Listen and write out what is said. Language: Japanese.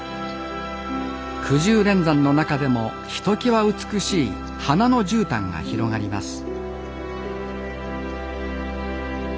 くじゅう連山の中でもひときわ美しい花のじゅうたんが広がります